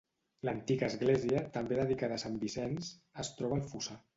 L'antiga església, també dedicada a Sant Vicenç, es troba al fossar.